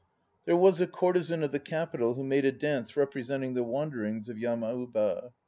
There was a courtesan of the Capital who made a dance repre senting the wanderings of Yamauba.